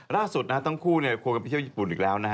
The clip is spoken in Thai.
ล่าสุดต้องคู่ควรไปเที่ยวญี่ปุ่นอีกแล้ว